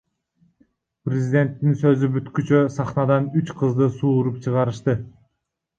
Президенттин сөзү бүткүчө сахнадан үч кызды сууруп чыгарышты.